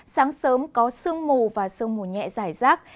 sáng sớm có sương mù và sương mù nhẹ giải rác